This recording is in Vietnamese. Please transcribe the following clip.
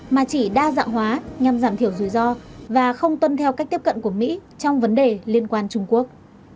mà chỉ đa dạng hóa nhằm giảm thiểu rủi ro và không tuân theo cách tiếp cận của mỹ trong vấn đề liên quan trung quốc